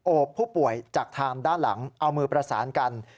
ผู้ป่วยจากทางด้านหลังเอามือประสานกัน